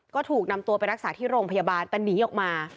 ก็ถูกนำตัวไปรักษาที่โรงพยาบาลแต่หนีออกมา